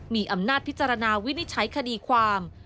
มีอำนาจพิจารณาวินิจฉัยคดีความ